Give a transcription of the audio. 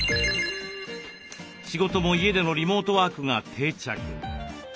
仕事も家でのリモートワークが定着。